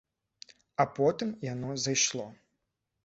А потым яно зайшло.